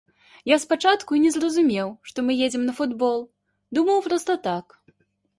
Я спачатку і не зразумеў, што мы едзем на футбол, думаў, проста так.